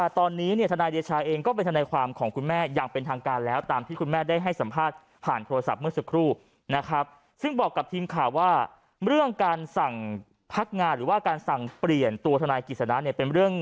ที่ทนายความเขาเป็นห่วงใช่ไหม